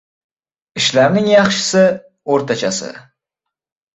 • Ishlarning yaxshisi — o‘rtachasi.